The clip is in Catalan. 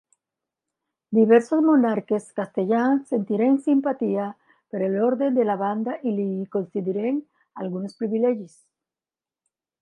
Diversos monarques castellans sentiren simpatia per l'Orde de la Banda i li concediren alguns privilegis.